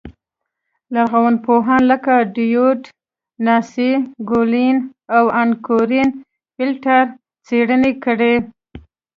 لرغونپوهانو لکه ډېوېډ، نانسي ګونلین او ان کورېن فرېټر څېړنه کړې